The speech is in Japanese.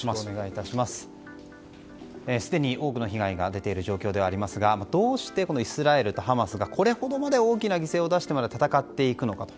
すでに多くの被害が出ている状況ではありますがどうしてイスラエルとハマスがこれほどまで大きな犠牲を出してまで戦っているのかと。